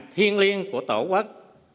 liên liên của tổ quốc